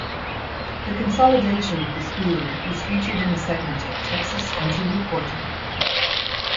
The consolidation of the school was featured in a segment of "Texas Country Reporter".